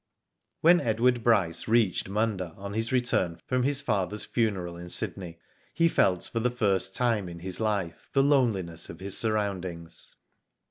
When Edward Bryce reached Munda on his return from his father's funeral in Sydney, he felt for the first time in his. life, the loneliness of his surroundings.